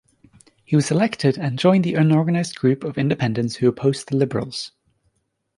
He was elected, and joined the unorganised group of independents who opposed the Liberals.